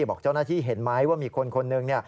บอกเจ้าหน้าที่เห็นไหมว่ามีคนคนหนึ่ง